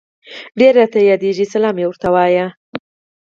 ډير راته ياديږي سلام مي ورته وايه